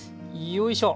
よいしょ。